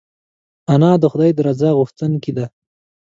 انا د خدای د رضا غوښتونکې ده